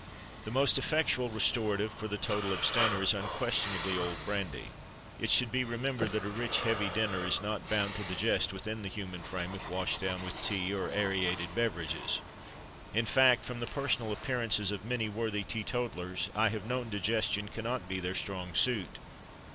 The most effectual restorative for the total abstainer is unquestionably, old brandy. It should be remembered that a rich, heavy dinner is not bound to digest within the human frame, if washed down with tea, or aerated beverages. In fact, from the personal appearances of many worthy teetotallers I have known digestion cannot be their strong suit.